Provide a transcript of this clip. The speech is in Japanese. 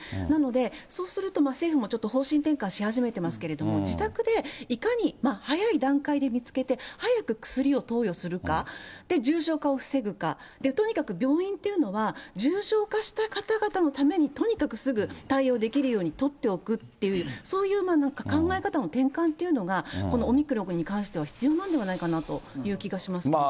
なので、そうすると政府もちょっと方針転換し始めてますけれども、自宅でいかに早い段階で見つけて、早く薬を投与するか、重症化を防ぐか、とにかく病院というのは、重症化した方々のためにとにかくすぐ対応できるように取っておくっていう、そういう考え方の転換っていうのが、このオミクロンに関しては必要なんじゃないかなという気がします。